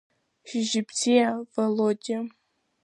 Шьыжьбзиа Володиа.